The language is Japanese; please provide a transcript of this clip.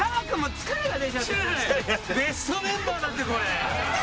ベストメンバーだってこれ！